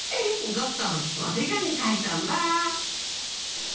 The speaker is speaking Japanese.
ゴットンおてがみかいたんだ。